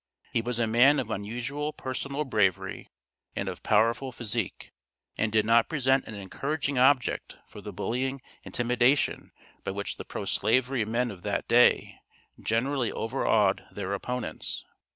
He was a man of unusual personal bravery, and of powerful physique, and did not present an encouraging object for the bullying intimidation by which the pro slavery men of that day generally overawed their opponents.